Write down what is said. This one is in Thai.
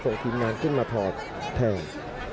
ทีมงานขึ้นมาถอดแทน